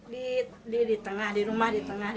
di rumah di tengah di tengah di tengah